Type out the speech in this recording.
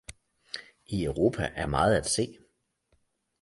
I Europa er meget at se!